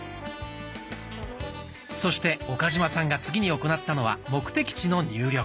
そして岡嶋さんが次に行ったのは目的地の入力。